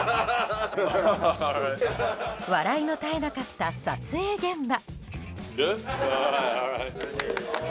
笑いの絶えなかった撮影現場。